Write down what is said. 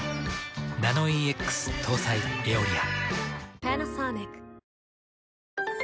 ナノイーＸ搭載「エオリア」。